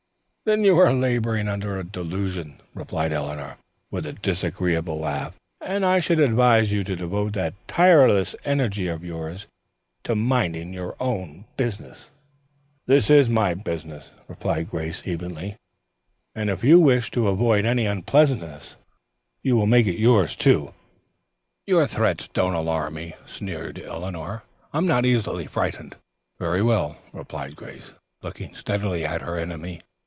"Then you are laboring under a delusion," replied Eleanor, with a disagreeable laugh, "and I should advise you to devote that tireless energy of yours, to minding your own business." "This is my business," replied Grace evenly, "and if you wish to avoid any unpleasantness you will make it yours." "Your threats do not alarm me," sneered Eleanor. "I am not easily frightened." "Very well," replied Grace, looking steadily at her enemy.